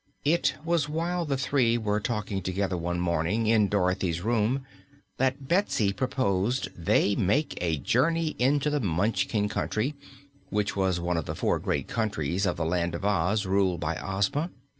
It was while the three were talking together one morning in Dorothy's room that Betsy proposed they make a journey into the Munchkin Country, which was one of the four great countries of the Land of Oz ruled by Ozma.